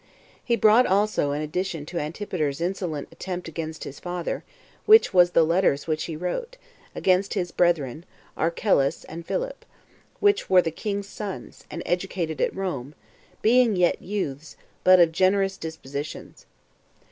He brought also an addition to Antipater's insolent attempt against his father, which was the letters which he wrote against his brethren, Archelaus and Philip, which were the king's sons, and educated at Rome, being yet youths, but of generous dispositions.